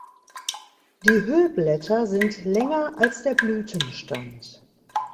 Die Hüllblätter sind länger als der Blütenstand.